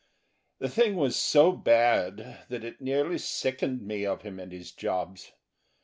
The thing was so bad that it nearly sickened me of him and his jobs.